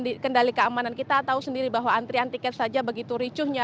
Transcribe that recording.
di kendali keamanan kita tahu sendiri bahwa antrian tiket saja begitu ricuhnya